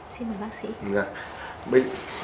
xin mời bác sĩ